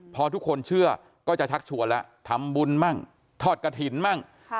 พอทุกคนเชื่อก็จะชักชวนแล้วทำบุญมั่งทอดกระถิ่นมั่ง